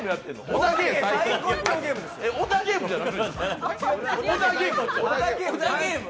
小田ゲームじゃないの？